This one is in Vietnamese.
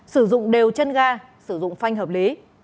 sử dụng đều chân ga sử dụng phanh hợp lý